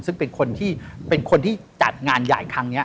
ซึ่งเป็นคนที่จัดงานใหญ่ครั้งนี้